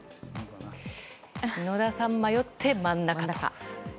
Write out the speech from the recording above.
野田さん、迷って真ん中と。